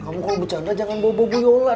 kamu kalau bercanda jangan bobo bu yola